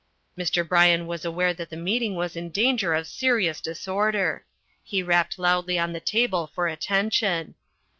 Mr. Bryan was aware that the meeting was in danger of serious disorder. He rapped loudly on the table for attention.